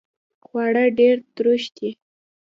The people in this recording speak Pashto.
خواړه ډیر تروش دي